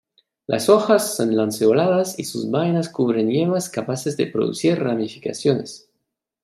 Las hojas son lanceoladas y sus vainas cubren yemas capaces de producir ramificaciones.